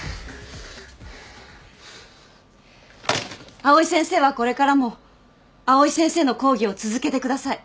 藍井先生はこれからも藍井先生の講義を続けてください。